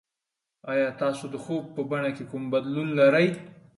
ایا تاسو د خوب په بڼه کې کوم بدلون لرئ؟